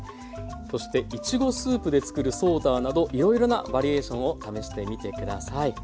そしていちごスープでつくるソーダなどいろいろなバリエーションを試してみて下さい。